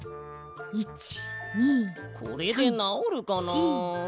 これでなおるかな？